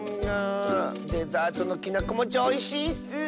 デザートのきなこもちょうおいしいッス！